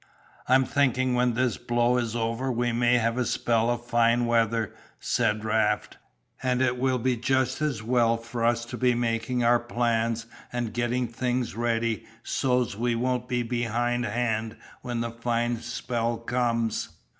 "I'm thinking when this blow is over we may have a spell of fine weather," said Raft, "and it will be just as well for us to be making our plans and getting things ready so's we won't be behind hand when the fine spell comes."